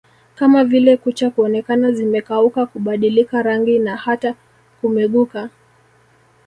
kama vile kucha kuonekana zimekauka kubadilika rangi na hata kumeguka